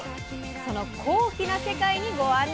その高貴な世界にご案内します。